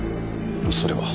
それは。